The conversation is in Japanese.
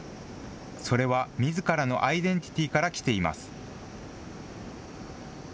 それはみずからのアイデンティティーから来ています。